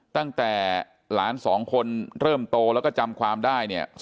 ตั้งแต่หลานสองคนเริ่มโตแล้วก็จำความได้เนี่ย